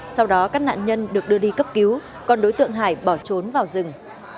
sau đó các nạn nhân được đưa đi cấp cứu còn đối tượng hải bỏ trốn vào rừng